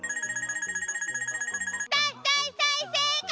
大大大正解！